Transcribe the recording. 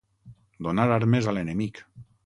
Donar armes a l'enemic.